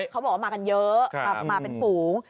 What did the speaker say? เขาบอกว่ามากันเยอะมาเป็นฝูง